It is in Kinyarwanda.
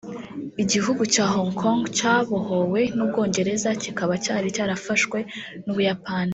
Igihugu cya Hong Kong cyabohowe n’u Bwongereza kikaba cyari cyarafashwe n’u Buyapani